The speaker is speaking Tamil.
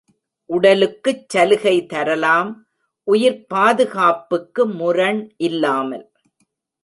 உடலுக்குச் சலுகை தரலாம், உயிர்ப் பாதுகாப்புக்கு முரண் இல்லாமல்!